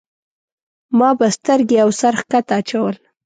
ما به سترګې او سر ښکته اچول.